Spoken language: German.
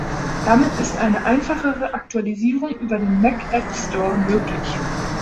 Damit ist eine einfachere Aktualisierung über den Mac App Store möglich.